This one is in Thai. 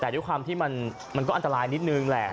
แต่ด้วยความที่มันก็อันตรายนิดนึงแหละ